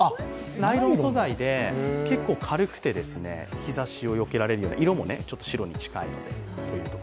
ナイロン素材で結構軽くて、日ざしをよけられる色もちょっと白に近いので。